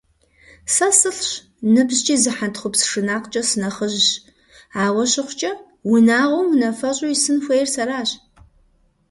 Сэ сылӏщ, ныбжькӏи зы хьэнтхъупс шынакъкӏэ сынэхъыжьщ, ауэ щыхъукӏэ, унагъуэм унафэщӏу исын хуейр сэращ.